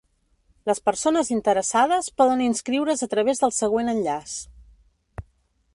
Les persones interessades poden inscriure’s a través del següent enllaç.